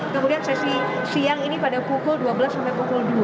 kemudian sesi siang ini pada pukul dua belas sampai pukul dua